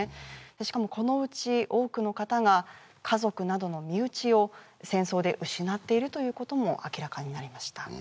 しかもこのうち多くの方が家族などの身内を戦争で失っているということも明らかになりました